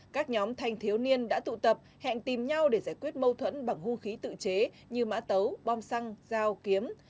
các nhóm thanh thiếu niên đã tụ tập hẹn tìm nhau để giải quyết mâu thuẫn bằng hung khí tự chế như mã tấu bom xăng dao kiếm